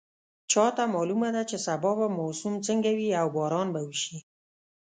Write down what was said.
چا ته معلومه ده چې سبا به موسم څنګه وي او باران به وشي